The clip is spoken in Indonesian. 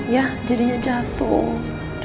ya jadinya jatuh